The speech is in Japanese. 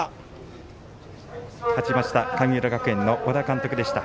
勝ちました神村学園の小田監督でした。